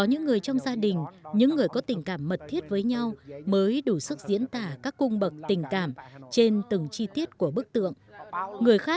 nhiều người tình cảm của mình